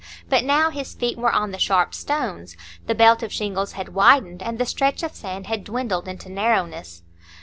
But now his feet were on the sharp stones; the belt of shingles had widened, and the stretch of sand had dwindled into narrowness.